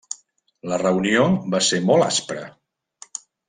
La reunió va ser molt aspra.